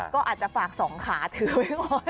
ก็อาจจะฝาก๒ขาเธอไว้เงิน